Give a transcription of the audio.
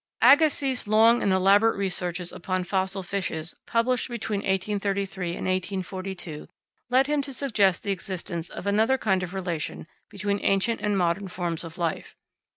Agassiz's long and elaborate researches upon fossil fishes, published between 1833 and 1842, led him to suggest the existence of another kind of relation between ancient and modern forms of life.